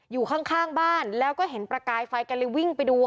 อยู่ข้างบ้านแล้วก็เห็นประกายไฟแกเลยวิ่งไปดูค่ะ